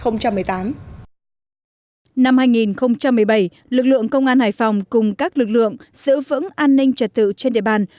năm hai nghìn một mươi bảy lực lượng công an hải phòng cùng các lực lượng giữ vững an ninh trật tự trên địa bàn